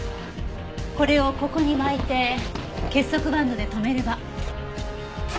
これをここに巻いて結束バンドで留めれば。